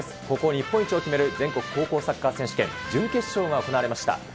高校日本一を決める全国高校サッカー選手権準決勝が行われました。